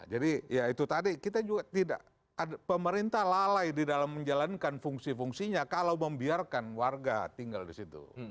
jadi ya itu tadi kita juga tidak pemerintah lalai di dalam menjalankan fungsi fungsinya kalau membiarkan warga tinggal di situ